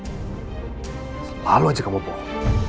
selalu aja kamu bohong